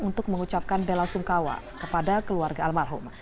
untuk mengucapkan bela sungkawa kepada keluarga almarhum